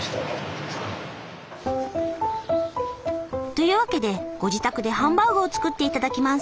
というわけでご自宅でハンバーグを作って頂きます。